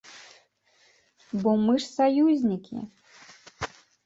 Бо мы ж саюзнікі!